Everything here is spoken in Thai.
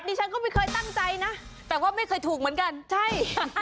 ฉันก็ไม่เคยตั้งใจนะแต่ว่าไม่เคยถูกเหมือนกันใช่